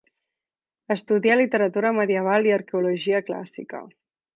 Estudià Literatura Medieval i Arqueologia clàssica.